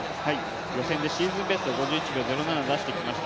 予選でシーズンベストを出してきました。